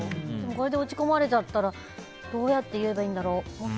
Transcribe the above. これで落ち込まれちゃったらどうやって言えばいいんだろう。